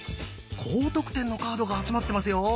高得点のカードが集まってますよ！